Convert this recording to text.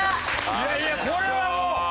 いやいやこれはもう。